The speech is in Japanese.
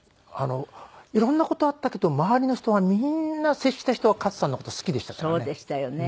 色んな事あったけど周りの人はみんな接した人は勝さんの事好きでしたからね。